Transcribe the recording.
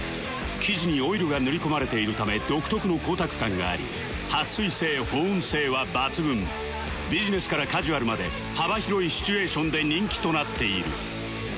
生地にオイルが塗り込まれているため独特の光沢感があり撥水性保温性は抜群ビジネスからカジュアルまで幅広いシチュエーションで人気となっている